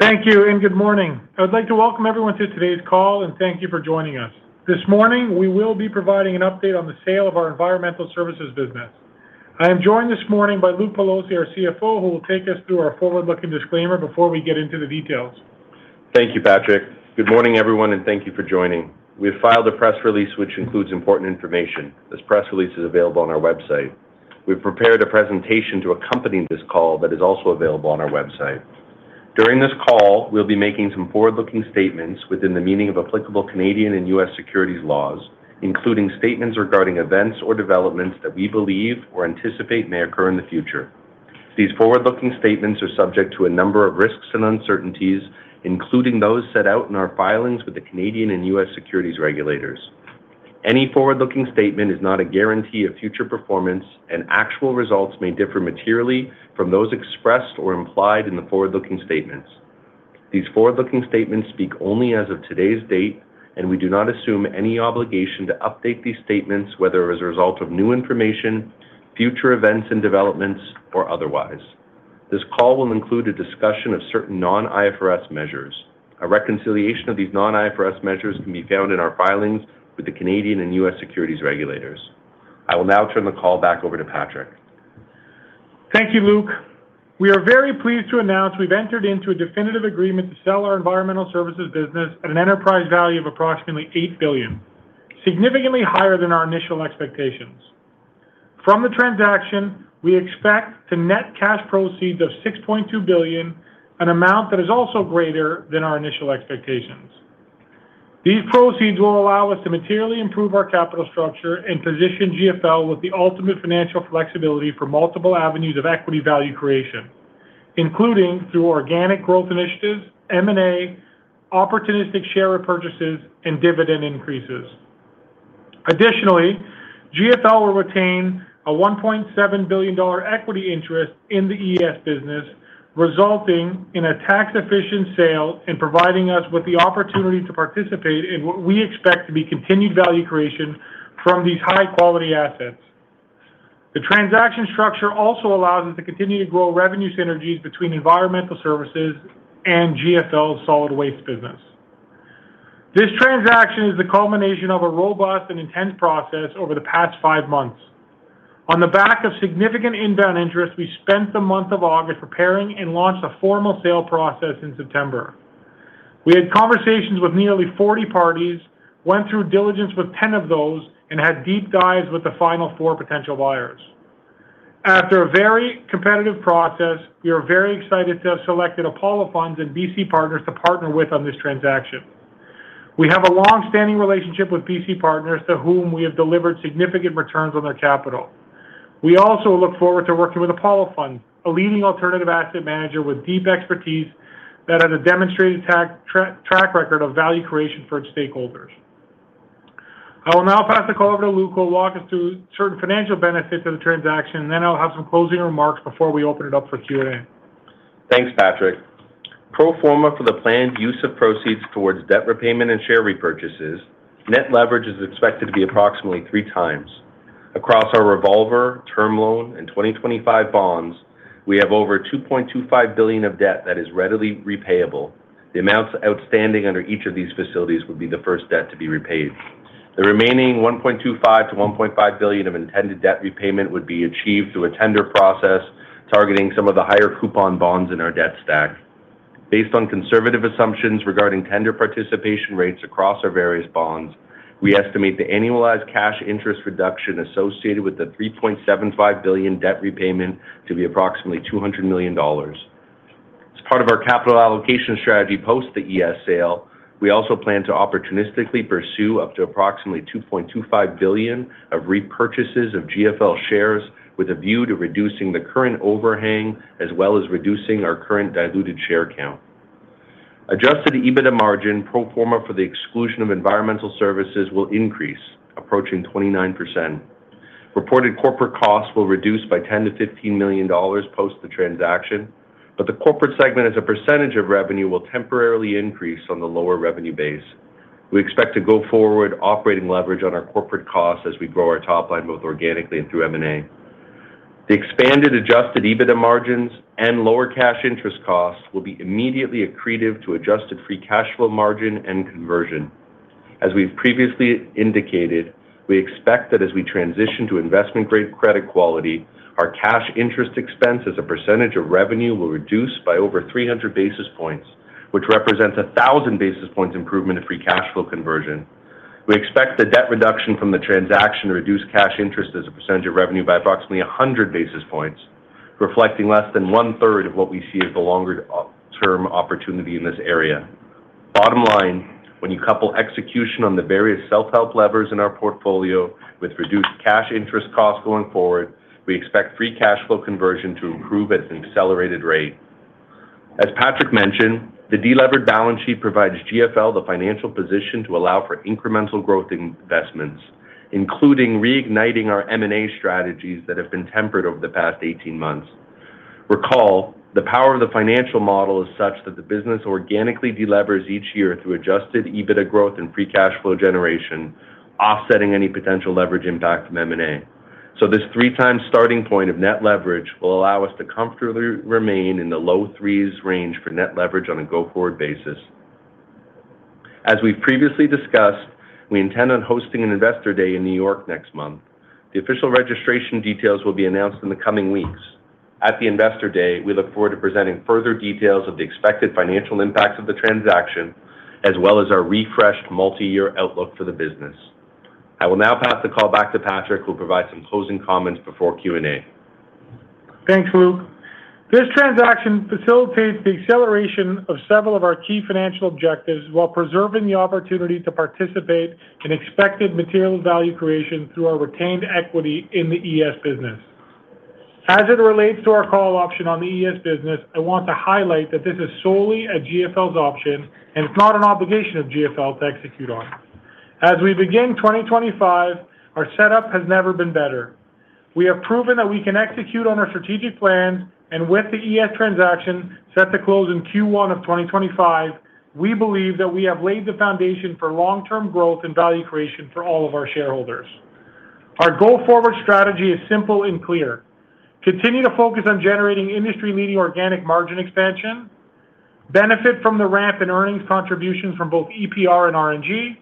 Thank you and good morning. I would like to welcome everyone to today's call and thank you for joining us. This morning, we will be providing an update on the sale of our Environmental Services business. I am joined this morning by Luke Pelosi, our CFO, who will take us through our forward-looking disclaimer before we get into the details. Thank you, Patrick. Good morning, everyone, and thank you for joining. We have filed a press release which includes important information. This press release is available on our website. We've prepared a presentation to accompany this call that is also available on our website. During this call, we'll be making some forward-looking statements within the meaning of applicable Canadian and U.S. securities laws, including statements regarding events or developments that we believe or anticipate may occur in the future. These forward-looking statements are subject to a number of risks and uncertainties, including those set out in our filings with the Canadian and U.S. securities regulators. Any forward-looking statement is not a guarantee of future performance, and actual results may differ materially from those expressed or implied in the forward-looking statements. These forward-looking statements speak only as of today's date, and we do not assume any obligation to update these statements, whether as a result of new information, future events and developments, or otherwise. This call will include a discussion of certain non-IFRS measures. A reconciliation of these non-IFRS measures can be found in our filings with the Canadian and U.S. securities regulators. I will now turn the call back over to Patrick. Thank you, Luke. We are very pleased to announce we've entered into a definitive agreement to sell our Environmental Services business at an enterprise value of approximately $8 billion, significantly higher than our initial expectations. From the transaction, we expect to net cash proceeds of $6.2 billion, an amount that is also greater than our initial expectations. These proceeds will allow us to materially improve our capital structure and position GFL with the ultimate financial flexibility for multiple avenues of equity value creation, including through organic growth initiatives, M&A, opportunistic share repurchases, and dividend increases. Additionally, GFL will retain a $1.7 billion equity interest in the ES business, resulting in a tax-efficient sale and providing us with the opportunity to participate in what we expect to be continued value creation from these high-quality assets. The transaction structure also allows us to continue to grow revenue synergies between Environmental Services and GFL's Solid Waste business. This transaction is the culmination of a robust and intense process over the past five months. On the back of significant inbound interest, we spent the month of August preparing and launched a formal sale process in September. We had conversations with nearly 40 parties, went through diligence with 10 of those, and had deep dives with the final four potential buyers. After a very competitive process, we are very excited to have selected Apollo Funds and BC Partners to partner with on this transaction. We have a long-standing relationship with BC Partners, to whom we have delivered significant returns on their capital. We also look forward to working with Apollo Funds, a leading alternative asset manager with deep expertise that has a demonstrated track record of value creation for its stakeholders. I will now pass the call over to Luke who will walk us through certain financial benefits of the transaction, and then I'll have some closing remarks before we open it up for Q&A. Thanks, Patrick. Pro forma for the planned use of proceeds towards debt repayment and share repurchases, net leverage is expected to be approximately three times. Across our revolver, term loan, and 2025 bonds, we have over $2.25 billion of debt that is readily repayable. The amounts outstanding under each of these facilities would be the first debt to be repaid. The remaining $1.25-$1.5 billion of intended debt repayment would be achieved through a tender process targeting some of the higher coupon bonds in our debt stack. Based on conservative assumptions regarding tender participation rates across our various bonds, we estimate the annualized cash interest reduction associated with the $3.75 billion debt repayment to be approximately $200 million. As part of our capital allocation strategy post the ES sale, we also plan to opportunistically pursue up to approximately $2.25 billion of repurchases of GFL shares with a view to reducing the current overhang as well as reducing our current diluted share count. Adjusted EBITDA margin, pro forma for the exclusion of Environmental Services, will increase, approaching 29%. Reported corporate costs will reduce by $10-$15 million post the transaction, but the corporate segment as a percentage of revenue will temporarily increase on the lower revenue base. We expect to go forward operating leverage on our corporate costs as we grow our top line both organically and through M&A. The expanded adjusted EBITDA margins and lower cash interest costs will be immediately accretive to Adjusted Free Cash Flow margin and conversion. As we've previously indicated, we expect that as we transition to investment-grade credit quality, our cash interest expense as a percentage of revenue will reduce by over 300 basis points, which represents a 1,000 basis points improvement in free cash flow conversion. We expect the debt reduction from the transaction to reduce cash interest as a percentage of revenue by approximately 100 basis points, reflecting less than one-third of what we see as the longer-term opportunity in this area. Bottom line, when you couple execution on the various self-help levers in our portfolio with reduced cash interest costs going forward, we expect free cash flow conversion to improve at an accelerated rate. As Patrick mentioned, the delevered balance sheet provides GFL the financial position to allow for incremental growth investments, including reigniting our M&A strategies that have been tempered over the past 18 months. Recall, the power of the financial model is such that the business organically delevers each year through Adjusted EBITDA growth and free cash flow generation, offsetting any potential leverage impact from M&A. So this three-time starting point of Net Leverage will allow us to comfortably remain in the low threes range for Net Leverage on a go-forward basis. As we've previously discussed, we intend on hosting an investor day in New York next month. The official registration details will be announced in the coming weeks. At the investor day, we look forward to presenting further details of the expected financial impacts of the transaction, as well as our refreshed multi-year outlook for the business. I will now pass the call back to Patrick, who will provide some closing comments before Q&A. Thanks, Luke. This transaction facilitates the acceleration of several of our key financial objectives while preserving the opportunity to participate in expected material value creation through our retained equity in the ES business. As it relates to our call option on the ES business, I want to highlight that this is solely a GFL's option, and it's not an obligation of GFL to execute on. As we begin 2025, our setup has never been better. We have proven that we can execute on our strategic plans, and with the ES transaction set to close in Q1 of 2025, we believe that we have laid the foundation for long-term growth and value creation for all of our shareholders. Our go-forward strategy is simple and clear: continue to focus on generating industry-leading organic margin expansion, benefit from the ramp in earnings contributions from both EPR and RNG,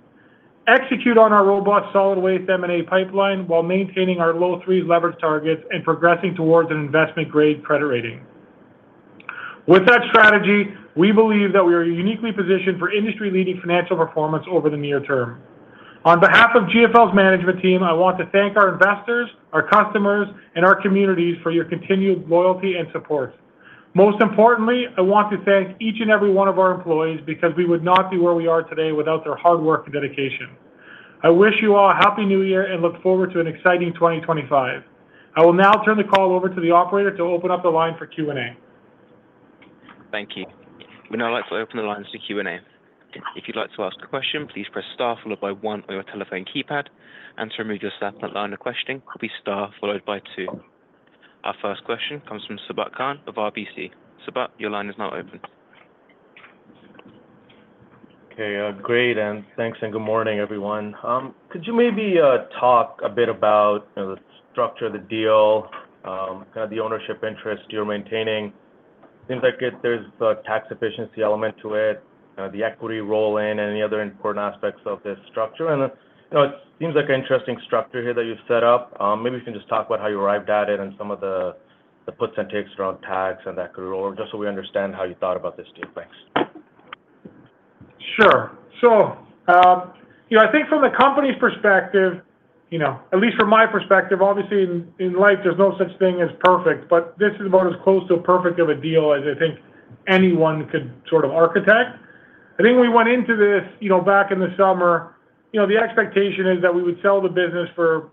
execute on our robust Solid Waste M&A pipeline while maintaining our low-threes leverage targets and progressing towards an investment-grade credit rating. With that strategy, we believe that we are uniquely positioned for industry-leading financial performance over the near term. On behalf of GFL's management team, I want to thank our investors, our customers, and our communities for your continued loyalty and support. Most importantly, I want to thank each and every one of our employees because we would not be where we are today without their hard work and dedication. I wish you all a happy New Year and look forward to an exciting 2025. I will now turn the call over to the operator to open up the line for Q&A. Thank you. We'd now like to open the lines to Q&A. If you'd like to ask a question, please press star followed by one on your telephone keypad, and to remove yourself from the line, press star followed by two. Our first question comes from Sabahat Khan of RBC. Sabahat, your line is now open. Okay, great, and thanks, and good morning, everyone. Could you maybe talk a bit about the structure of the deal, kind of the ownership interest you're maintaining? Seems like there's a tax efficiency element to it, the equity roll-in, and any other important aspects of this structure. And it seems like an interesting structure here that you've set up. Maybe you can just talk about how you arrived at it and some of the puts and takes around tax and that could rule, or just so we understand how you thought about this deal. Thanks. Sure, so I think from the company's perspective, at least from my perspective, obviously in life, there's no such thing as perfect, but this is about as close to perfect of a deal as I think anyone could sort of architect. I think we went into this back in the summer. The expectation is that we would sell the business for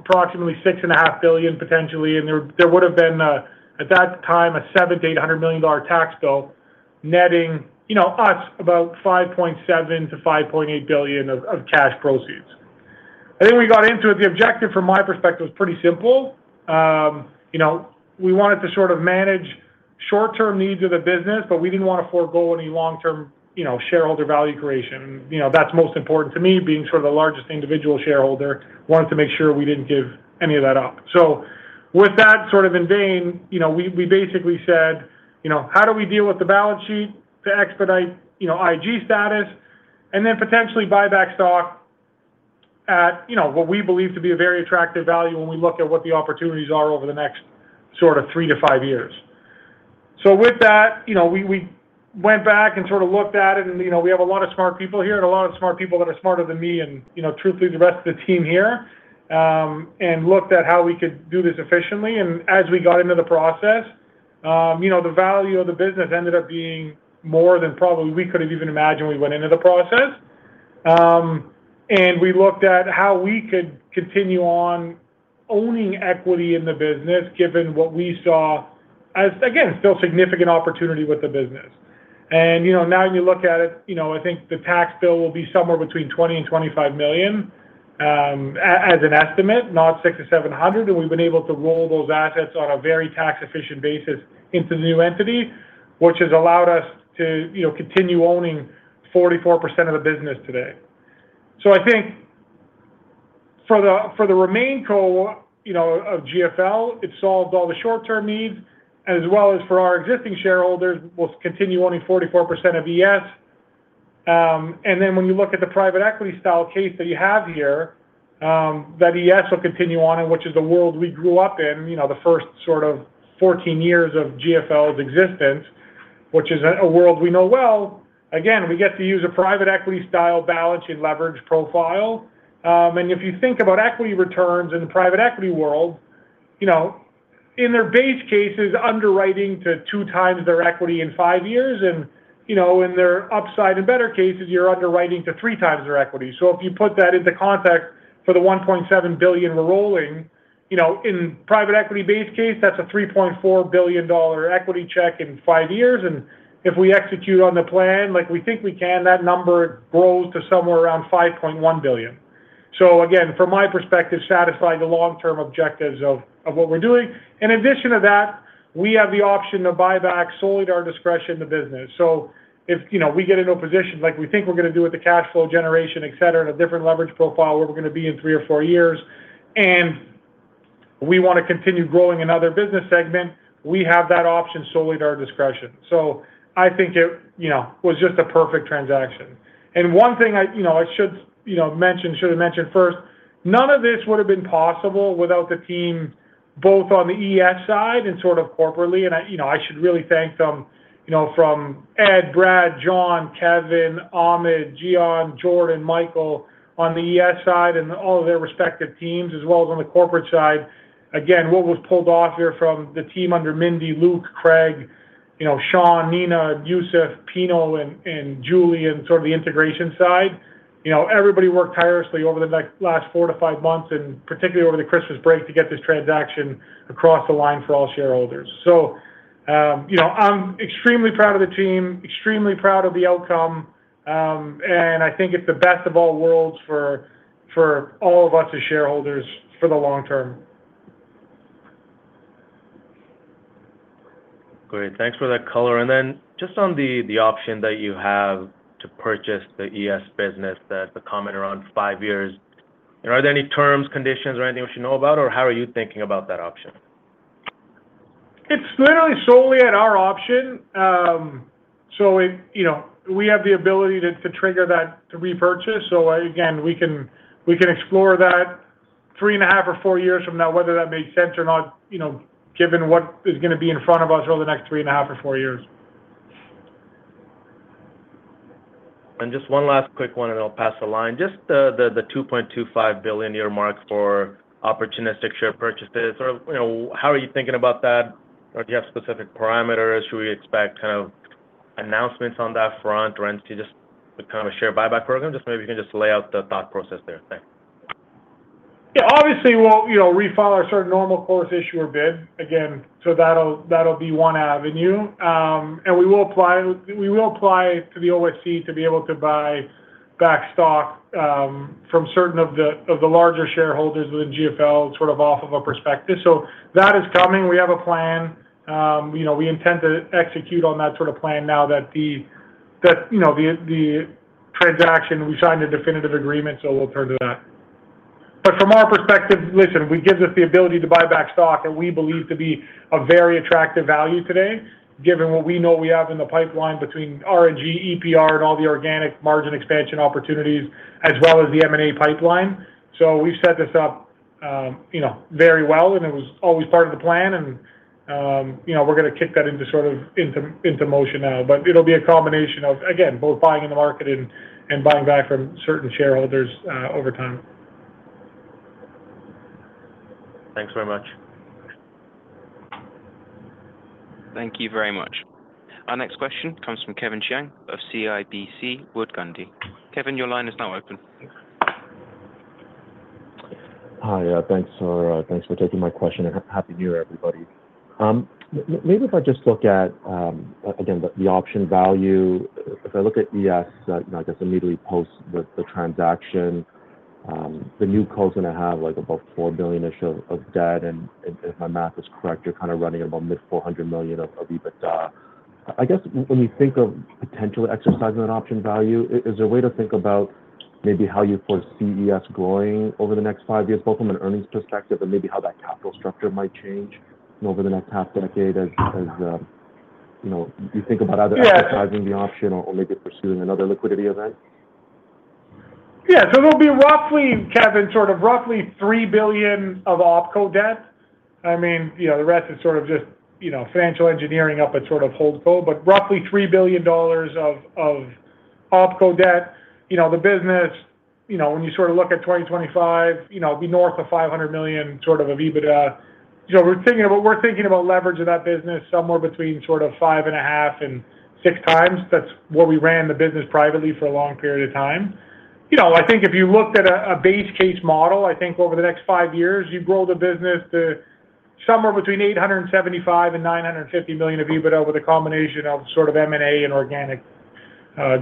approximately $6.5 billion, potentially, and there would have been, at that time, a $700-$800 million tax bill, netting us about $5.7-$5.8 billion of cash proceeds. I think we got into it. The objective from my perspective was pretty simple. We wanted to sort of manage short-term needs of the business, but we didn't want to forego any long-term shareholder value creation. That's most important to me, being sort of the largest individual shareholder. I wanted to make sure we didn't give any of that up. So with that sort of in the vein, we basically said, "How do we deal with the balance sheet to expedite IG status and then potentially buy back stock at what we believe to be a very attractive value when we look at what the opportunities are over the next sort of three to five years?" So with that, we went back and sort of looked at it, and we have a lot of smart people here, and a lot of smart people that are smarter than me and truthfully the rest of the team here, and looked at how we could do this efficiently. And as we got into the process, the value of the business ended up being more than probably we could have even imagined when we went into the process. We looked at how we could continue on owning equity in the business, given what we saw as, again, still significant opportunity with the business. Now when you look at it, I think the tax bill will be somewhere between $20 and $25 million as an estimate, not $600-$700, and we've been able to roll those assets on a very tax-efficient basis into the new entity, which has allowed us to continue owning 44% of the business today. I think for the remaining cohort of GFL, it solved all the short-term needs, as well as for our existing shareholders, we'll continue owning 44% of ES. And then when you look at the private equity style case that you have here, that ES will continue on it, which is the world we grew up in, the first sort of 14 years of GFL's existence, which is a world we know well. Again, we get to use a private equity style balance sheet leverage profile. And if you think about equity returns in the private equity world, in their base case, it's underwriting to two times their equity in five years, and in their upside and better cases, you're underwriting to three times their equity. So if you put that into context for the $1.7 billion we're rolling, in private equity base case, that's a $3.4 billion equity check in five years, and if we execute on the plan like we think we can, that number grows to somewhere around $5.1 billion. So again, from my perspective, satisfy the long-term objectives of what we're doing. In addition to that, we have the option to buy back solely to our discretion in the business. So if we get into a position like we think we're going to do with the cash flow generation, etc., at a different leverage profile where we're going to be in three or four years, and we want to continue growing another business segment, we have that option solely to our discretion. So I think it was just a perfect transaction. One thing I should mention, should have mentioned first. None of this would have been possible without the team both on the ES side and sort of corporately, and I should really thank them from Ed, Brad, John, Kevin, Ahmad, Gian, Jordan, Michael on the ES side and all of their respective teams, as well as on the corporate side. Again, what was pulled off here from the team under Mindy, Luke, Craig, Sean, Nina, Yusuf, Pino, and Julie on sort of the integration side. Everybody worked tirelessly over the last four to five months, and particularly over the Christmas break to get this transaction across the line for all shareholders. I'm extremely proud of the team, extremely proud of the outcome, and I think it's the best of all worlds for all of us as shareholders for the long term. Great. Thanks for that color. And then just on the option that you have to purchase the ES business that's a commitment around five years, are there any terms, conditions, or anything we should know about, or how are you thinking about that option? It's literally solely at our option. So we have the ability to trigger that to repurchase. So again, we can explore that three and a half or four years from now, whether that makes sense or not, given what is going to be in front of us over the next three and a half or four years. Just one last quick one, and I'll pass the line. Just the $2.25 billion mark for opportunistic share purchases, how are you thinking about that? Do you have specific parameters? Should we expect kind of announcements on that front or just kind of a share buyback program? Just maybe you can just lay out the thought process there. Thanks. Yeah, obviously we'll refile our sort of Normal Course Issuer Bid. Again, so that'll be one avenue. And we will apply to the OSC to be able to buy back stock from certain of the larger shareholders within GFL sort of off of a perspective. So that is coming. We have a plan. We intend to execute on that sort of plan now that the transaction we signed a definitive agreement, so we'll turn to that. But from our perspective, listen, it gives us the ability to buy back stock that we believe to be a very attractive value today, given what we know we have in the pipeline between RNG, EPR, and all the organic margin expansion opportunities, as well as the M&A pipeline. So we've set this up very well, and it was always part of the plan, and we're going to kick that into sort of motion now. But it'll be a combination of, again, both buying in the market and buying back from certain shareholders over time. Thanks very much. Thank you very much. Our next question comes from Kevin Chiang of CIBC Wood Gundy. Kevin, your line is now open. Hi, thanks for taking my question. Happy New Year, everybody. Maybe if I just look at, again, the option value, if I look at ES, I guess immediately post the transaction, the new call's going to have like about $4 billion-ish of debt, and if my math is correct, you're kind of running at about mid-$400 million of EBITDA. I guess when you think of potentially exercising that option value, is there a way to think about maybe how you foresee ES growing over the next five years, both from an earnings perspective and maybe how that capital structure might change over the next half decade as you think about either exercising the option or maybe pursuing another liquidity event? Yeah, so it'll be roughly, Kevin, sort of roughly $3 billion of Opco debt. I mean, the rest is sort of just financial engineering up at sort of holdco, but roughly $3 billion of Opco debt. The business, when you sort of look at 2025, it'll be north of $500 million sort of of EBITDA. We're thinking about leverage of that business somewhere between sort of five and a half and six times. That's where we ran the business privately for a long period of time. I think if you looked at a base case model, I think over the next five years, you grow the business to somewhere between $875-$950 million of EBITDA with a combination of sort of M&A and organic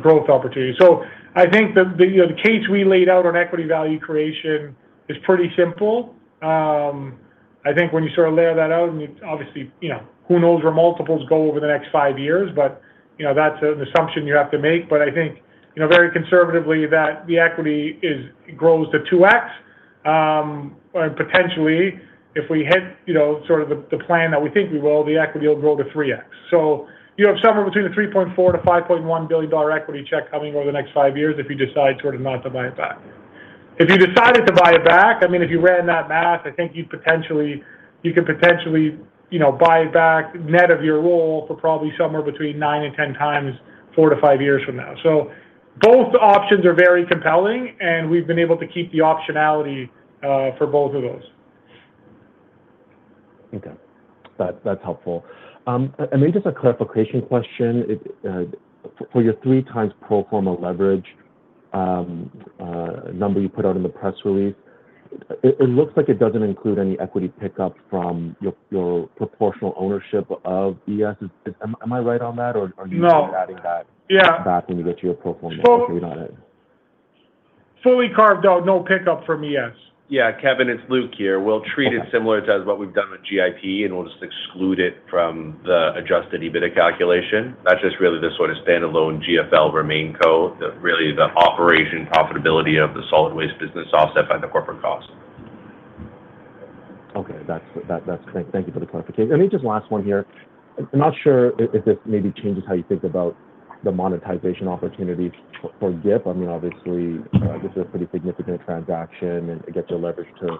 growth opportunity. So I think the case we laid out on equity value creation is pretty simple. I think when you sort of layer that out, and obviously, who knows where multiples go over the next five years, but that's an assumption you have to make. But I think very conservatively that the equity grows to $2x, and potentially, if we hit sort of the plan that we think we will, the equity will grow to $3x. So you have somewhere between a $3.4-$5.1 billion equity check coming over the next five years if you decide sort of not to buy it back. If you decided to buy it back, I mean, if you ran that math, I think you could potentially buy it back net of your roll for probably somewhere between $9 and $10 times four to five years from now. So both options are very compelling, and we've been able to keep the optionality for both of those. Okay. That's helpful. And maybe just a clarification question. For your three times pro forma leverage number you put out in the press release, it looks like it doesn't include any equity pickup from your proportional ownership of ES. Am I right on that, or are you sort of adding that back when you get to your pro forma update on it? Fully carved out, no pickup from ES. Yeah, Kevin, it's Luke here. We'll treat it similar to what we've done with GIP, and we'll just exclude it from the adjusted EBITDA calculation. That's just really the sort of standalone GFL remaining co., really the operational profitability of the Solid Waste business offset by the corporate cost. Okay. Thank you for the clarification. And maybe just last one here. I'm not sure if this maybe changes how you think about the monetization opportunities for GIP. I mean, obviously, this is a pretty significant transaction, and it gets your leverage to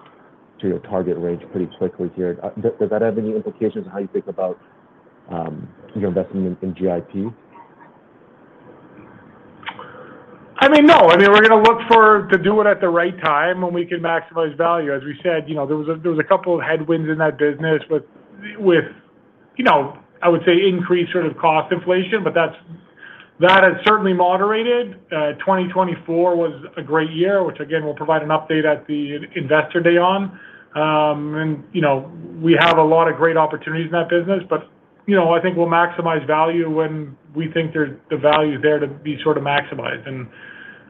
your target range pretty quickly here. Does that have any implications on how you think about your investment in GIP? I mean, no. I mean, we're going to look to do it at the right time, and we can maximize value. As we said, there was a couple of headwinds in that business with, I would say, increased sort of cost inflation, but that has certainly moderated. 2024 was a great year, which again, we'll provide an update at the investor day on. We have a lot of great opportunities in that business, but I think we'll maximize value when we think the value is there to be sort of maximized.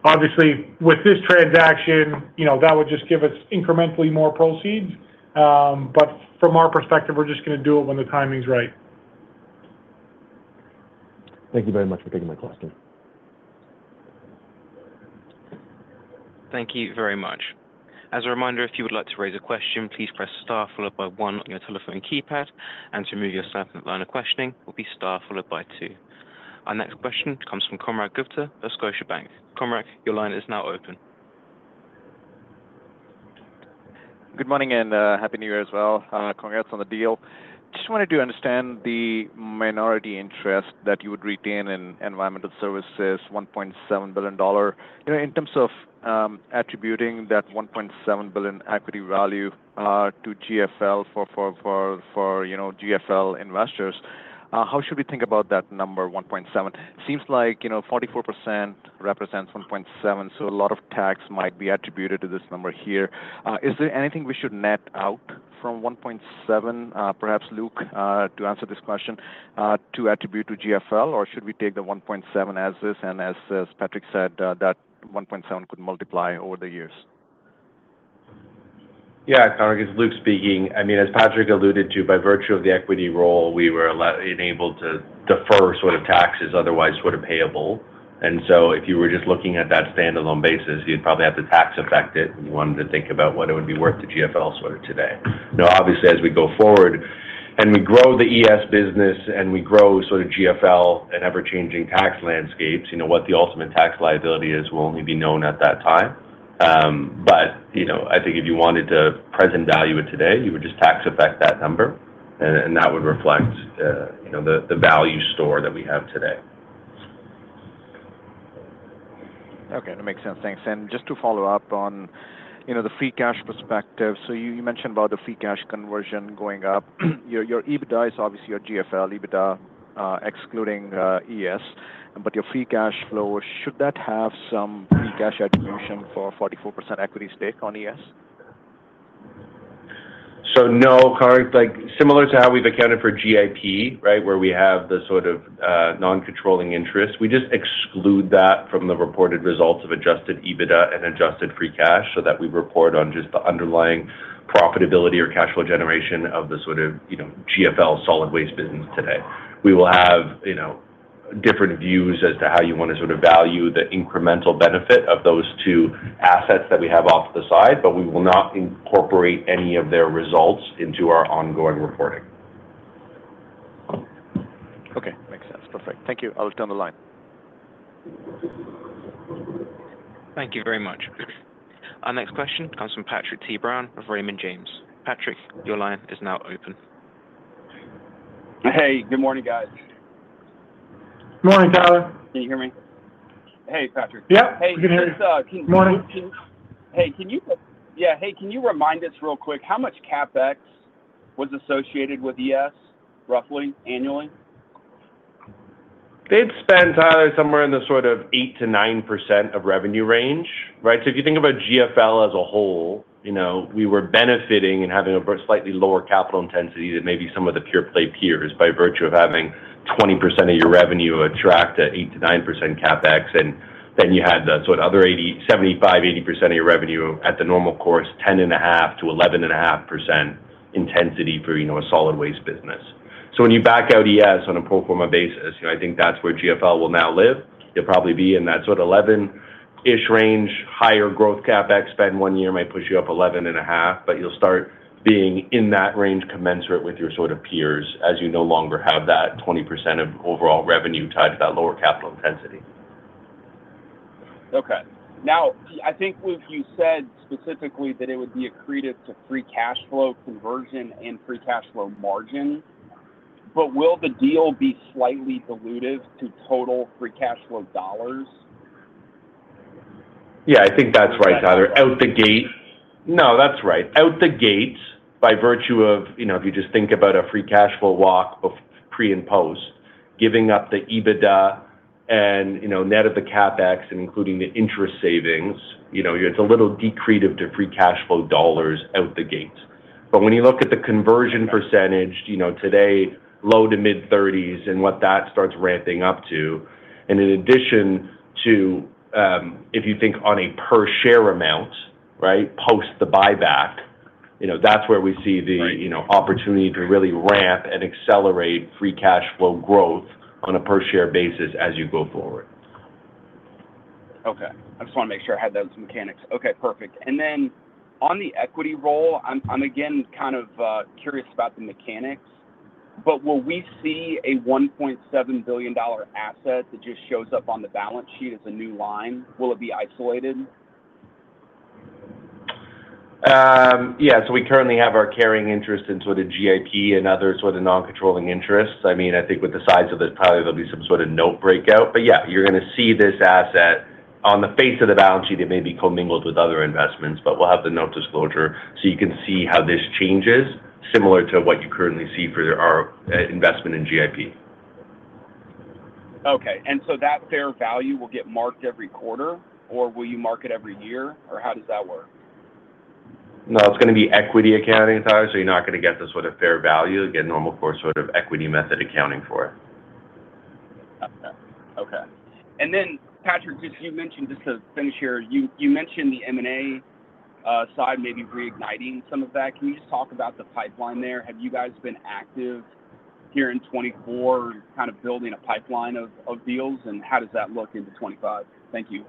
Obviously, with this transaction, that would just give us incrementally more proceeds. But from our perspective, we're just going to do it when the timing's right. Thank you very much for taking my question. Thank you very much. As a reminder, if you would like to raise a question, please press star followed by one on your telephone keypad, and to remove yourself from the line of questioning, please press star followed by two. Our next question comes from Konark Gupta of Scotiabank. Konark, your line is now open. Good morning and happy New Year as well. Congrats on the deal. Just wanted to understand the minority interest that you would retain in Environmental Services, $1.7 billion. In terms of attributing that $1.7 billion equity value to GFL for GFL investors, how should we think about that number, $1.7? It seems like 44% represents $1.7, so a lot of tax might be attributed to this number here. Is there anything we should net out from $1.7, perhaps, Luke, to answer this question, to attribute to GFL, or should we take the $1.7 as is? And as Patrick said, that $1.7 could multiply over the years. Yeah, Konark, it's Luke speaking. I mean, as Patrick alluded to, by virtue of the equity role, we were enabled to defer sort of taxes otherwise sort of payable. And so if you were just looking at that standalone basis, you'd probably have to tax-affect it, and you wanted to think about what it would be worth to GFL sort of today. Now, obviously, as we go forward and we grow the ES business and we grow sort of GFL and ever-changing tax landscapes, what the ultimate tax liability is will only be known at that time. But I think if you wanted to present value it today, you would just tax-affect that number, and that would reflect the value stored that we have today. Okay. That makes sense. Thanks. And just to follow up on the free cash perspective, so you mentioned about the free cash conversion going up. Your EBITDA is obviously your GFL EBITDA, excluding ES, but your free cash flow, should that have some free cash attribution for 44% equity stake on ES? No, Konark. Similar to how we've accounted for GIP, right, where we have the sort of non-controlling interest, we just exclude that from the reported results of Adjusted EBITDA and adjusted free cash so that we report on just the underlying profitability or cash flow generation of the sort of GFL Solid Waste business today. We will have different views as to how you want to sort of value the incremental benefit of those two assets that we have off to the side, but we will not incorporate any of their results into our ongoing reporting. Okay. Makes sense. Perfect. Thank you. I'll turn the line. Thank you very much. Our next question comes from Patrick T. Brown of Raymond James. Patrick, your line is now open. Hey. Good morning, guys. Good morning, Tyler. Can you hear me? Hey, Patrick. Yep. Hey. Can you hear me? Good morning. Hey, can you remind us real quick, how much CapEx was associated with ES, roughly, annually? They'd spend, Tyler, somewhere in the sort of 8-9% of revenue range, right? So if you think about GFL as a whole, we were benefiting and having a slightly lower capital intensity than maybe some of the pure-play peers by virtue of having 20% of your revenue attract at 8-9% CapEx, and then you had the sort of other 75-80% of your revenue at the normal course, 10.5-11.5% intensity for a Solid Waste business. So when you back out ES on a pro forma basis, I think that's where GFL will now live. It'll probably be in that sort of 11-ish range. Higher growth CapEx spent one year might push you up 11.5%, but you'll start being in that range commensurate with your sort of peers as you no longer have that 20% of overall revenue tied to that lower capital intensity. Okay. Now, I think you said specifically that it would be accretive to free cash flow conversion and free cash flow margin, but will the deal be slightly dilutive to total free cash flow dollars? Yeah, I think that's right, Tyler. Out the gate no, that's right. Out the gate, by virtue of if you just think about a free cash flow walk pre and post, giving up the EBITDA and net of the CapEx and including the interest savings, it's a little decreative to free cash flow dollars out the gate. But when you look at the conversion percentage today, low to mid-30s% and what that starts ramping up to, and in addition to, if you think on a per-share amount, right, post the buyback, that's where we see the opportunity to really ramp and accelerate free cash flow growth on a per-share basis as you go forward. Okay. I just wanted to make sure I had those mechanics. Okay. Perfect. And then on the equity roll, I'm again kind of curious about the mechanics, but will we see a $1.7 billion asset that just shows up on the balance sheet as a new line? Will it be isolated? Yeah. So we currently have our carrying interest in sort of GIP and other sort of non-controlling interests. I mean, I think with the size of this, probably there'll be some sort of note breakout. But yeah, you're going to see this asset on the face of the balance sheet. It may be commingled with other investments, but we'll have the note disclosure so you can see how this changes, similar to what you currently see for our investment in GIP. Okay, and so that fair value will get marked every quarter, or will you mark it every year, or how does that work? No, it's going to be equity accounting, Tyler, so you're not going to get this sort of fair value. Again, normal course sort of equity method accounting for it. Okay. And then, Patrick, just to finish here, you mentioned the M&A side maybe reigniting some of that. Can you just talk about the pipeline there? Have you guys been active here in 2024, kind of building a pipeline of deals, and how does that look into 2025? Thank you.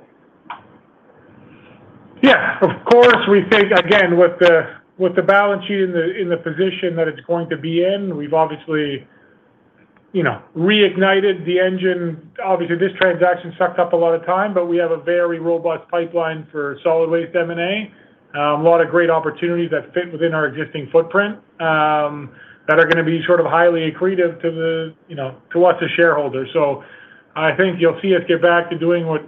Yeah. Of course, we think, again, with the balance sheet in the position that it's going to be in, we've obviously reignited the engine. Obviously, this transaction sucked up a lot of time, but we have a very robust pipeline for Solid Waste M&A. A lot of great opportunities that fit within our existing footprint that are going to be sort of highly accretive to us as shareholders. So I think you'll see us get back to doing what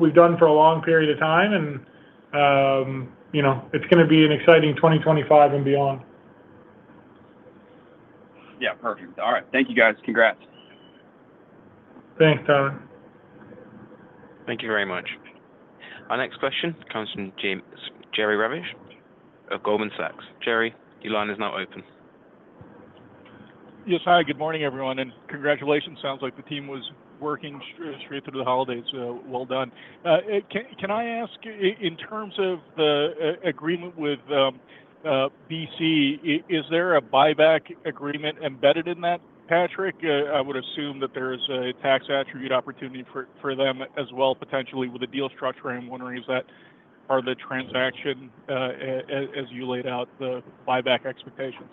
we've done for a long period of time, and it's going to be an exciting 2025 and beyond. Yeah. Perfect. All right. Thank you, guys. Congrats. Thanks, Tyler. Thank you very much. Our next question comes from Jerry Revich of Goldman Sachs. Jerry, your line is now open. Yes, hi. Good morning, everyone, and congratulations. Sounds like the team was working straight through the holidays. Well done. Can I ask, in terms of the agreement with BC, is there a buyback agreement embedded in that, Patrick? I would assume that there is a tax attribute opportunity for them as well, potentially, with the deal structure. I'm wondering, are the transaction, as you laid out, the buyback expectations?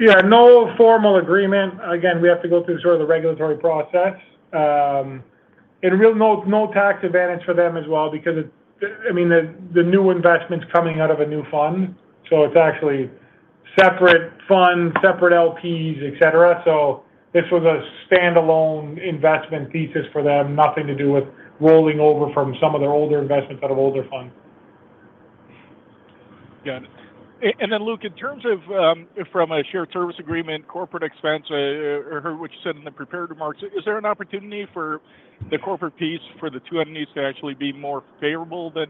Yeah. No formal agreement. Again, we have to go through sort of the regulatory process. No tax advantage for them as well because, I mean, the new investment's coming out of a new fund, so it's actually separate fund, separate LPs, etc. So this was a standalone investment thesis for them, nothing to do with rolling over from some of their older investments out of older funds. Got it. And then, Luke, in terms of from a shared service agreement, corporate expense, what you said in the prepared remarks, is there an opportunity for the corporate piece for the two entities to actually be more favorable than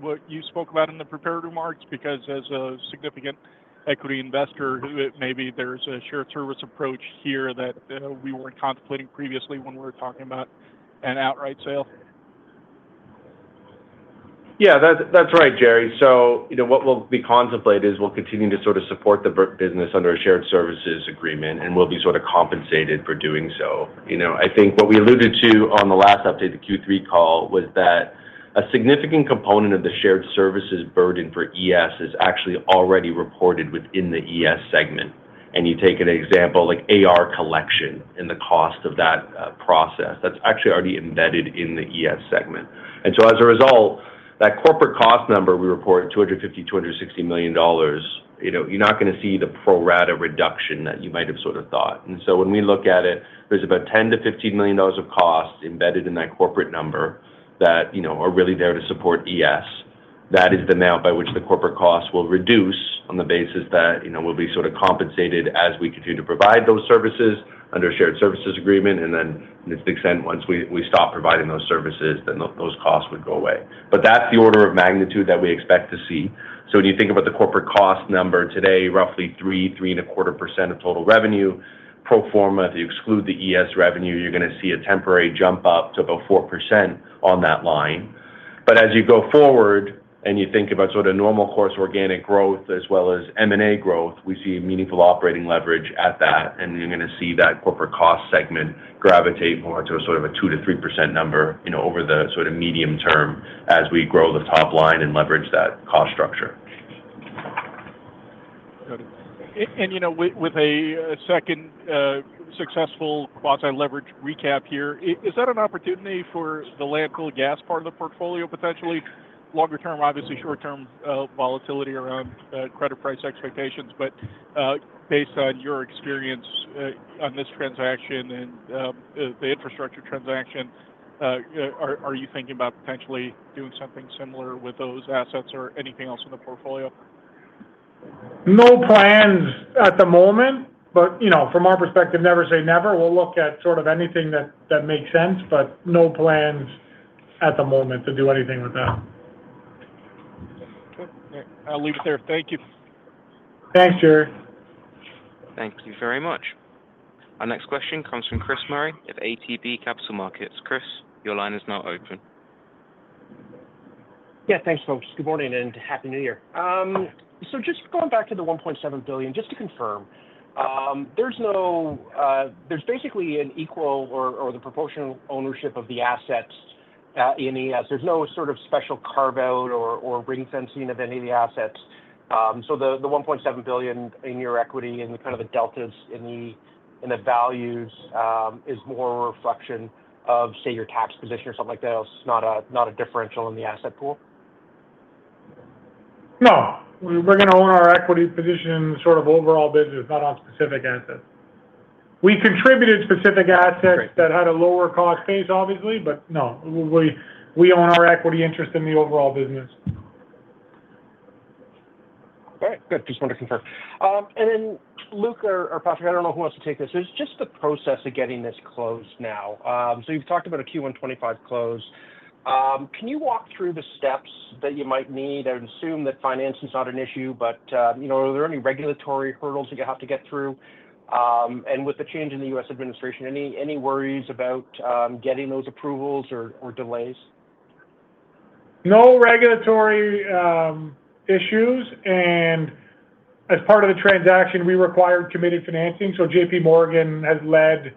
what you spoke about in the prepared remarks? Because as a significant equity investor, maybe there's a shared service approach here that we weren't contemplating previously when we were talking about an outright sale. Yeah, that's right, Jerry. So what we'll be contemplating is we'll continue to sort of support the business under a shared services agreement, and we'll be sort of compensated for doing so. I think what we alluded to on the last update, the Q3 call, was that a significant component of the shared services burden for ES is actually already reported within the ES segment. And you take an example like AR collection and the cost of that process. That's actually already embedded in the ES segment. And so as a result, that corporate cost number we report, $250-$260 million, you're not going to see the pro rata reduction that you might have sort of thought. And so when we look at it, there's about $10-$15 million of costs embedded in that corporate number that are really there to support ES. That is the amount by which the corporate costs will reduce on the basis that we'll be sort of compensated as we continue to provide those services under a shared services agreement, and then to the extent, once we stop providing those services, then those costs would go away, but that's the order of magnitude that we expect to see, so when you think about the corporate cost number today, roughly 3-3.25% of total revenue, pro forma, if you exclude the ES revenue, you're going to see a temporary jump up to about 4% on that line, but as you go forward and you think about sort of normal course organic growth as well as M&A growth, we see meaningful operating leverage at that. And you're going to see that corporate cost segment gravitate more to a sort of a 2%-3% number over the sort of medium term as we grow the top line and leverage that cost structure. Got it. And with a second successful quasi-leverage recap here, is that an opportunity for the landfill gas part of the portfolio, potentially? Longer term, obviously, short-term volatility around credit price expectations. But based on your experience on this transaction and the infrastructure transaction, are you thinking about potentially doing something similar with those assets or anything else in the portfolio? No plans at the moment, but from our perspective, never say never. We'll look at sort of anything that makes sense, but no plans at the moment to do anything with that. Okay. I'll leave it there. Thank you. Thanks, Jerry. Thank you very much. Our next question comes from Chris Murray of ATB Capital Markets. Chris, your line is now open. Yeah. Thanks, folks. Good morning and happy New Year. So just going back to the 1.7 billion, just to confirm, there's basically an equal or the proportional ownership of the assets in ES. There's no sort of special carve-out or ring-fencing of any of the assets. So the 1.7 billion in your equity and kind of the deltas in the values is more a reflection of, say, your tax position or something like that. It's not a differential in the asset pool? No. We're going to own our equity position sort of overall business, not on specific assets. We contributed specific assets that had a lower cost base, obviously, but no. We own our equity interest in the overall business. All right. Good. Just wanted to confirm. And then, Luke or Patrick, I don't know who wants to take this. It's just the process of getting this closed now. So you've talked about a Q1 2025 close. Can you walk through the steps that you might need? I would assume that financing is not an issue, but are there any regulatory hurdles that you have to get through? And with the change in the U.S. administration, any worries about getting those approvals or delays? No regulatory issues. As part of the transaction, we required committed financing. J.P. Morgan has led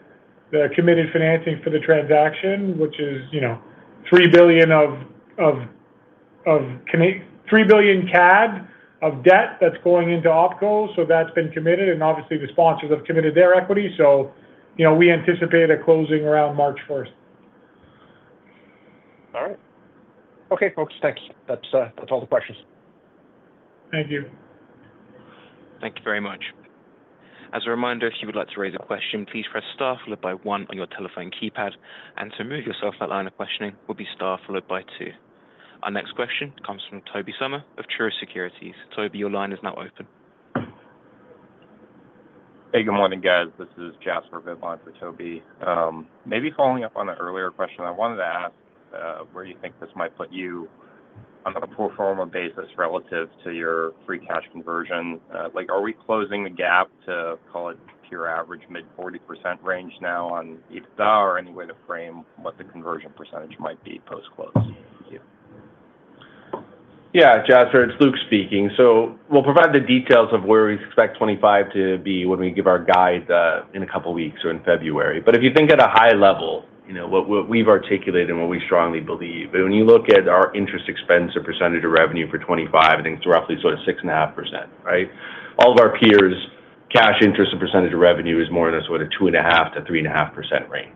the committed financing for the transaction, which is 3 billion CAD of debt that's going into Opco. That's been committed. Obviously, the sponsors have committed their equity. We anticipate a closing around March 1st. All right. Okay, folks. Thanks. That's all the questions. Thank you. Thank you very much. As a reminder, if you would like to raise a question, please press star followed by one on your telephone keypad. And to remove yourself out of line of questioning, it will be star followed by two. Our next question comes from Tobey Sommer of Truist Securities. Tobey, your line is now open. Hey, good morning, guys. This is Jasper Goodlin for Tobey. Maybe following up on an earlier question, I wanted to ask where you think this might put you on a pro forma basis relative to your free cash conversion. Are we closing the gap to call it pure average mid-40% range now on EBITDA or any way to frame what the conversion percentage might be post-close? Yeah, Jasper, it's Luke speaking. So we'll provide the details of where we expect 2025 to be when we give our guide in a couple of weeks or in February. But if you think at a high level, what we've articulated and what we strongly believe, when you look at our interest expense or percentage of revenue for 2025, I think it's roughly sort of 6.5%, right? All of our peers' cash interest and percentage of revenue is more in a sort of 2.5%-3.5% range,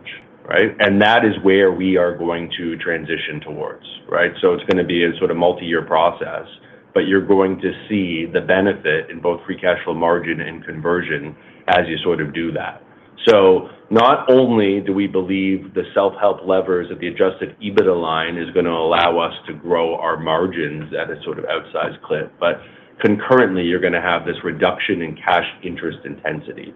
right? And that is where we are going to transition towards, right? So it's going to be a sort of multi-year process, but you're going to see the benefit in both free cash flow margin and conversion as you sort of do that. So not only do we believe the self-help levers of the Adjusted EBITDA line is going to allow us to grow our margins at a sort of outsized clip, but concurrently, you're going to have this reduction in cash interest intensity.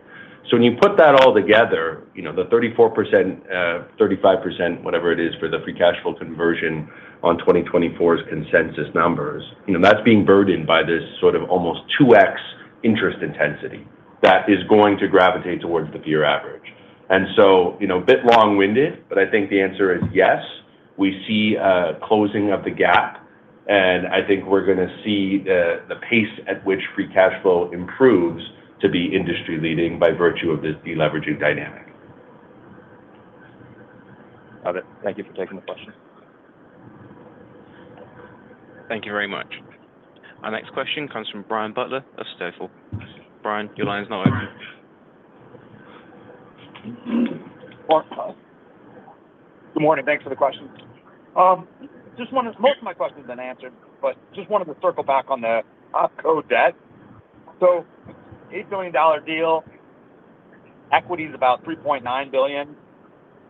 So when you put that all together, the 34%, 35%, whatever it is for the free cash flow conversion on 2024's consensus numbers, that's being burdened by this sort of almost 2x interest intensity that is going to gravitate towards the peer average. And so a bit long-winded, but I think the answer is yes. We see a closing of the gap, and I think we're going to see the pace at which free cash flow improves to be industry-leading by virtue of this deleveraging dynamic. Got it. Thank you for taking the question. Thank you very much. Our next question comes from Brian Butler of Stifel. Brian, your line is now open. Good morning. Thanks for the question. Most of my questions have been answered, but just wanted to circle back on the Opco debt. So $8 billion deal, equity is about 3.9 billion.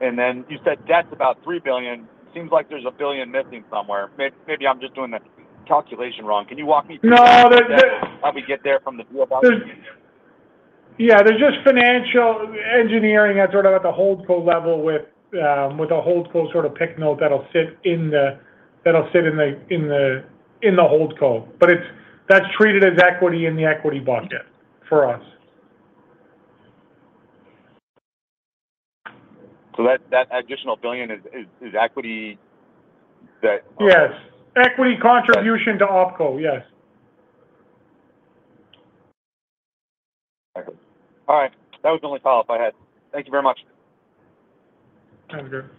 And then you said debt's about 3 billion. Seems like there's a billion missing somewhere. Maybe I'm just doing the calculation wrong. Can you walk me through that? No. How do we get there from the deal value? Yeah. There's just financial engineering at the Holdco level with a Holdco PIK note that'll sit in the Holdco. But that's treated as equity in the equity bucket for us. So that additional billion is equity that? Yes. Equity contribution to Opco, yes. All right. That was the only follow-up I had. Thank you very much. Have a good.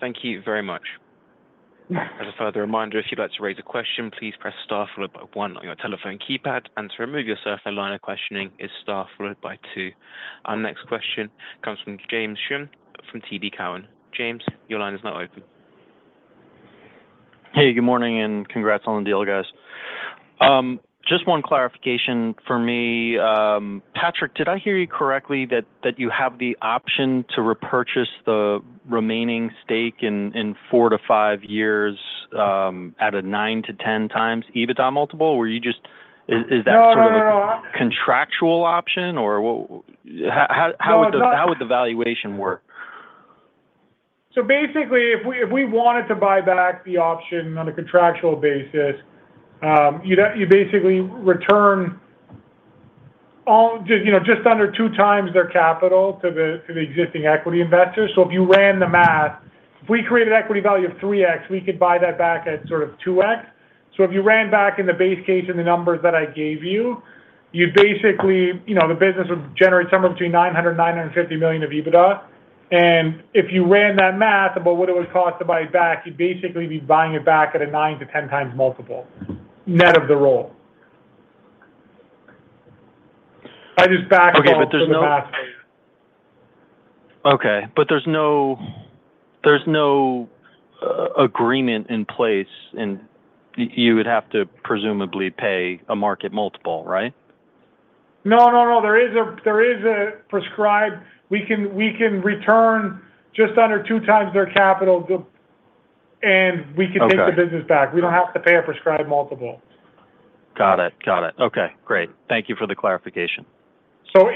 Thank you very much. As a further reminder, if you'd like to raise a question, please press star followed by one on your telephone keypad. And to remove yourself, the line of questioning is star followed by two. Our next question comes from James Schumm from TD Cowen. James, your line is now open. Hey, good morning, and congrats on the deal, guys. Just one clarification for me. Patrick, did I hear you correctly that you have the option to repurchase the remaining stake in four to five years at a 9-10 times EBITDA multiple? Or is that sort of a contractual option? Or how would the valuation work? So basically, if we wanted to buy back the option on a contractual basis, you basically return just under two times their capital to the existing equity investors. So if you ran the math, if we created an equity value of 3x, we could buy that back at sort of 2x. So if you ran back in the base case and the numbers that I gave you, you'd basically the business would generate somewhere between 900 and 950 million of EBITDA. And if you ran that math about what it would cost to buy it back, you'd basically be buying it back at a 9-10 times multiple net of the roll. I just did the back-of-the-envelope math for you. Okay. But there's no agreement in place, and you would have to presumably pay a market multiple, right? No, no, no. There is a preferred we can return just under two times their capital, and we can take the business back. We don't have to pay a preferred multiple. Got it. Got it. Okay. Great. Thank you for the clarification.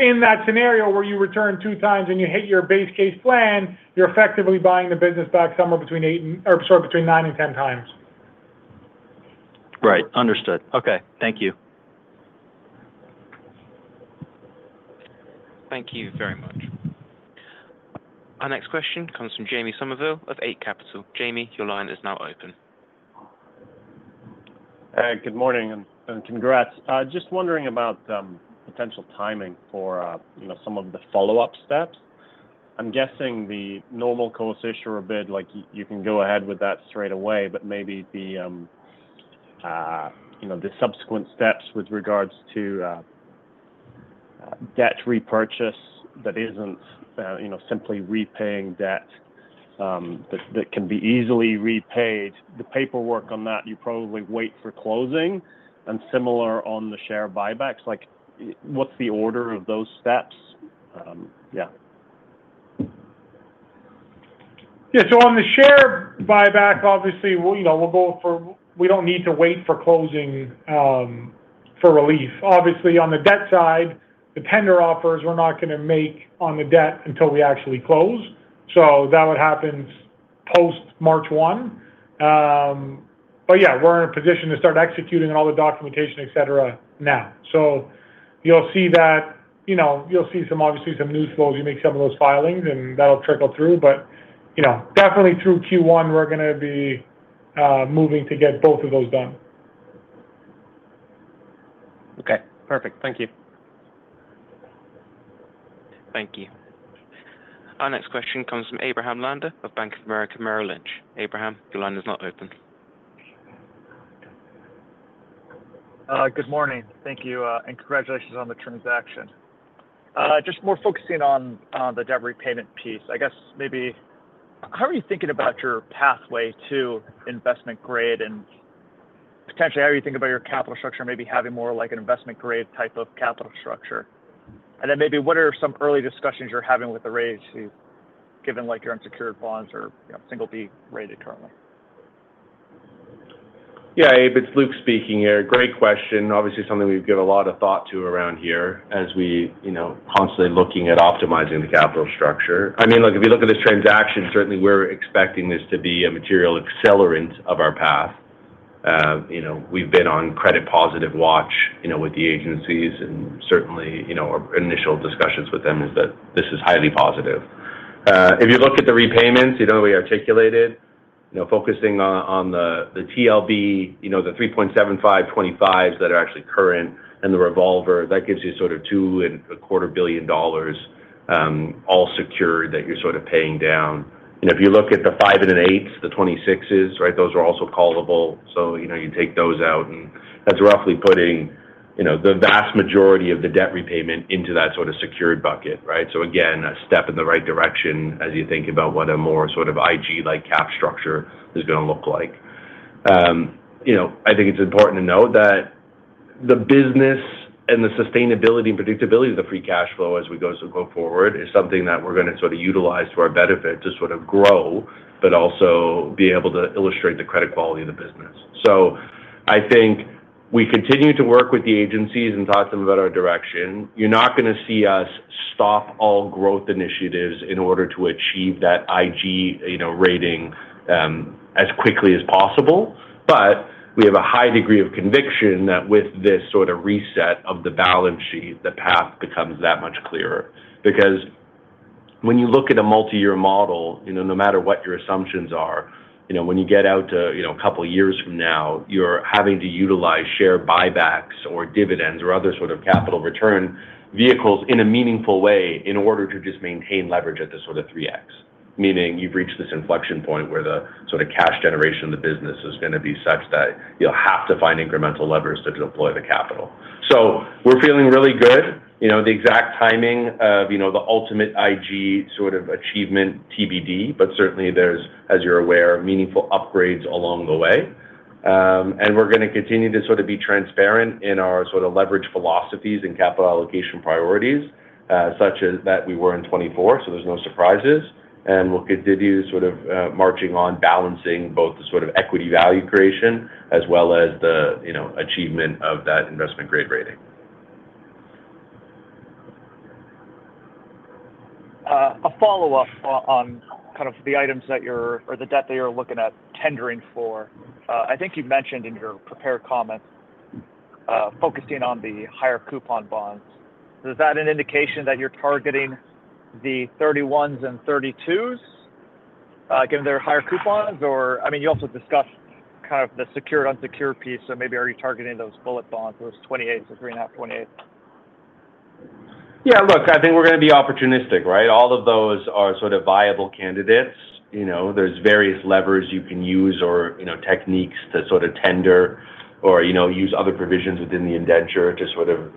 In that scenario where you return two times and you hit your base case plan, you're effectively buying the business back somewhere between eight and or sorry, between nine and 10 times. Right. Understood. Okay. Thank you. Thank you very much. Our next question comes from Jamie Somerville of Eight Capital. Jamie, your line is now open. Hey, good morning, and congrats. Just wondering about potential timing for some of the follow-up steps. I'm guessing the Normal Course Issuer Bid, you can go ahead with that straight away, but maybe the subsequent steps with regards to debt repurchase that isn't simply repaying debt that can be easily repaid, the paperwork on that, you probably wait for closing? And similar on the share buybacks, what's the order of those steps? Yeah. Yeah. So on the share buyback, obviously, we'll go forward. We don't need to wait for closing for relief. Obviously, on the debt side, the tender offers we're not going to make on the debt until we actually close. So that would happen post March 1. But yeah, we're in a position to start executing all the documentation, etc., now. So you'll see that, obviously, some news flows. You'll make some of those filings, and that'll trickle through. But definitely through Q1, we're going to be moving to get both of those done. Okay. Perfect. Thank you. Thank you. Our next question comes from Abraham Landa of Bank of America Merrill Lynch. Abraham, your line is now open. Good morning. Thank you. And congratulations on the transaction. Just more focusing on the debt repayment piece. I guess maybe how are you thinking about your pathway to investment-grade and potentially how you think about your capital structure, maybe having more like an investment-grade type of capital structure? And then maybe what are some early discussions you're having with the rates given your unsecured bonds or single-B rated currently? Yeah. It's Luke speaking here. Great question. Obviously, something we've given a lot of thought to around here as we're constantly looking at optimizing the capital structure. I mean, if you look at this transaction, certainly we're expecting this to be a material accelerant of our path. We've been on credit-positive watch with the agencies and certainly our initial discussions with them is that this is highly positive. If you look at the repayments, we articulated focusing on the TLB, the 3.75% 2025s that are actually current, and the revolver, that gives you sort of 2.25 billion dollars all secured that you're sort of paying down. And if you look at the 5 1/8s, the 26s, right, those are also callable. So you take those out, and that's roughly putting the vast majority of the debt repayment into that sort of secured bucket, right? So again, a step in the right direction as you think about what a more sort of IG-like cap structure is going to look like. I think it's important to note that the business and the sustainability and predictability of the free cash flow as we go forward is something that we're going to sort of utilize to our benefit to sort of grow, but also be able to illustrate the credit quality of the business. So I think we continue to work with the agencies and talk to them about our direction. You're not going to see us stop all growth initiatives in order to achieve that IG rating as quickly as possible. But we have a high degree of conviction that with this sort of reset of the balance sheet, the path becomes that much clearer. Because when you look at a multi-year model, no matter what your assumptions are, when you get out to a couple of years from now, you're having to utilize share buybacks or dividends or other sort of capital return vehicles in a meaningful way in order to just maintain leverage at this sort of 3x. Meaning you've reached this inflection point where the sort of cash generation of the business is going to be such that you'll have to find incremental levers to deploy the capital. So we're feeling really good. The exact timing of the ultimate IG sort of achievement TBD, but certainly there's, as you're aware, meaningful upgrades along the way, and we're going to continue to sort of be transparent in our sort of leverage philosophies and capital allocation priorities such as that we were in 2024, so there's no surprises. We'll continue sort of marching on balancing both the sort of equity value creation as well as the achievement of that investment grade rating. A follow-up on kind of the items that you're or the debt that you're looking at tendering for. I think you mentioned in your prepared comments focusing on the higher coupon bonds. Is that an indication that you're targeting the 31s and 32s given their higher coupons? Or I mean, you also discussed kind of the secured, unsecured piece. So maybe are you targeting those bullet bonds, those 28s or 3.5, 28s? Yeah. Look, I think we're going to be opportunistic, right? All of those are sort of viable candidates. There's various levers you can use or techniques to sort of tender or use other provisions within the indenture to sort of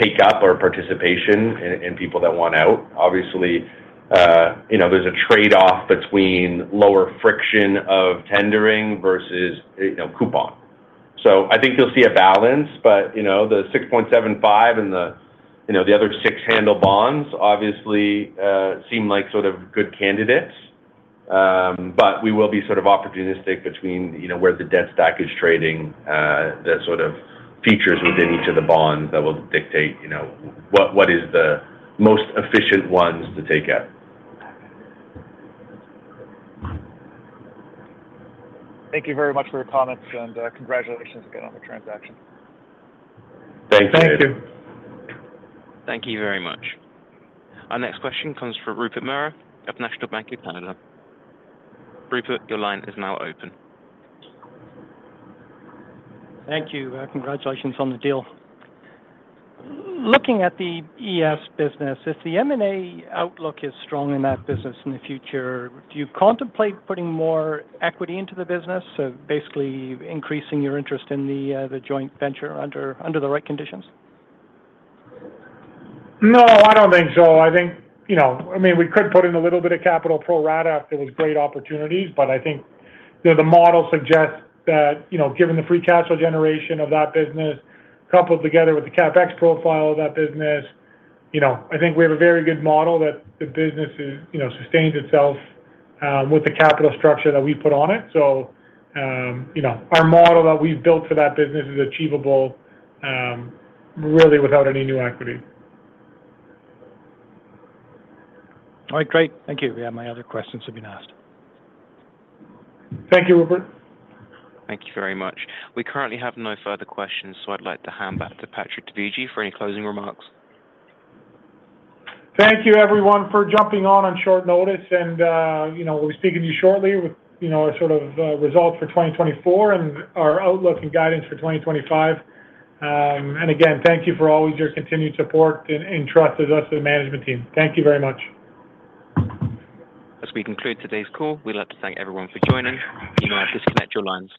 take up our participation and people that want out. Obviously, there's a trade-off between lower friction of tendering versus coupon. So I think you'll see a balance, but the 6.75 and the other six handle bonds obviously seem like sort of good candidates. But we will be sort of opportunistic between where the debt stack is trading, the sort of features within each of the bonds that will dictate what is the most efficient ones to take out. Thank you very much for your comments, and congratulations again on the transaction. Thank you. Thank you. Thank you very much. Our next question comes from Rupert Merer of National Bank of Canada. Rupert, your line is now open. Thank you. Congratulations on the deal. Looking at the ES business, if the M&A outlook is strong in that business in the future, do you contemplate putting more equity into the business, so basically increasing your interest in the joint venture under the right conditions? No, I don't think so. I think, I mean, we could put in a little bit of capital pro rata if there were great opportunities, but I think the model suggests that given the free cash flow generation of that business coupled together with the CapEx profile of that business, I think we have a very good model that the business sustains itself with the capital structure that we put on it. So our model that we've built for that business is achievable really without any new equity. All right. Great. Thank you. We have no other questions to be asked. Thank you, Rupert. Thank you very much. We currently have no further questions, so I'd like to hand back to Patrick Dovigi for any closing remarks. Thank you, everyone, for jumping on short notice, and we'll be speaking to you shortly with our sort of results for 2024 and our outlook and guidance for 2025, and again, thank you for always your continued support and trust in us and the management team. Thank you very much. As we conclude today's call, we'd like to thank everyone for joining. You may now disconnect your lines.